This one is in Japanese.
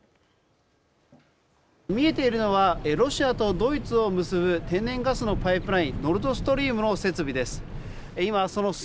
見えているのはロシアとドイツを結ぶ天然ガスのパイプラインノルドストリームの設備です。